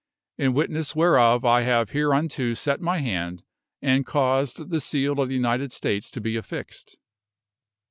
In witness whereof I have hereunto set my hand, and caused the seal of the United States to be affixed.